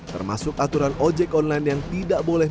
termasuk aturan ojek online yang tidak boleh